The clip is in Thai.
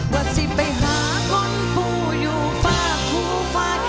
ว่าสิไปหาคนผู้อยู่ฟ้าคู่ฝ่าย